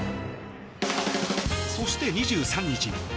そして、２３日。